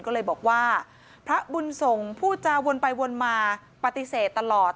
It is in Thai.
ก็เลยบอกว่าพระบุญสงฆ์พูดจาวนไปวนมาปฏิเสธตลอด